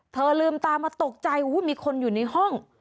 เธอลืมตามาตกใจอู้วมีคนอยู่ในห้อง